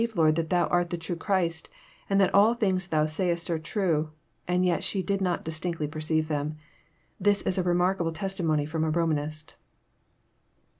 Lord, that Thou art the true Christ, and that all things Thou sayest are true ;' and yet she did not distinctly perceive them." This is a remarkable testimony trom a Romanist.